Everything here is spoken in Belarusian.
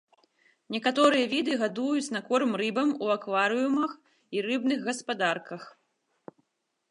Некаторыя віды гадуюць на корм рыбам у акварыумах і рыбных гаспадарках.